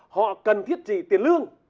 họ cần thiết gì tiền lương